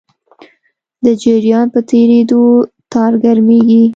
د جریان په تېرېدو تار ګرمېږي.